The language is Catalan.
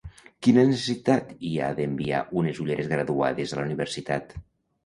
Quina necessitat hi ha d'enviar unes ulleres graduades a la universitat?